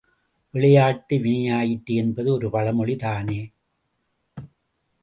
விளையாட்டு வினையாயிற்று என்பது ஒரு பழமொழி தானே!